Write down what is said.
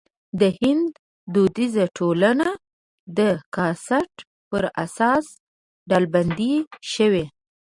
د هند دودیزه ټولنه د کاسټ پر اساس ډلبندي شوې.